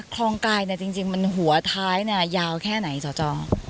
คลองกายจริงมันหัวท้ายยาวแค่ไหนสจ